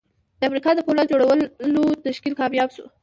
د امریکا د پولاد جوړولو تشکیل کامیاب شو